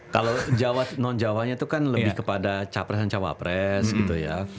kalau jawa non jawanya itu kan lebih kepada capres dan cawapres gitu ya